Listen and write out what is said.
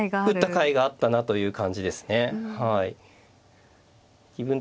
打ったかいがあったなという感じですねはい。